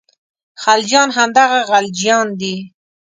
خلجیان همدغه غلجیان دي.